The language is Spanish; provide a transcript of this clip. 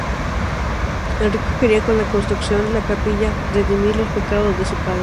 Enrico quería con la construcción de la capilla redimir los pecados de su padre.